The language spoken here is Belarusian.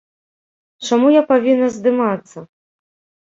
Чаму я павінна здымацца?